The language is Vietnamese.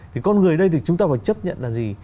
thì con người ở đây thì chúng ta phải chấp nhận là gì